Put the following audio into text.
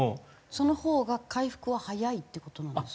そのほうが回復は早いって事なんですか？